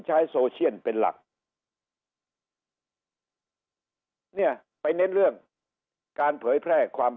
ใช้โซเชียลเป็นหลักเนี่ยไปเน้นเรื่องการเผยแพร่ความ